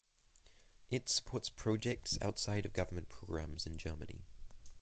It supports projects outside of government programs in Germany.